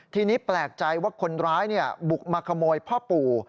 ทีนี้แปลกใจว่าคนร้ายบุกมาขโมยพ่อปู่